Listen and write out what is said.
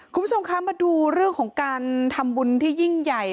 คุณผู้ชมคะมาดูเรื่องของการทำบุญที่ยิ่งใหญ่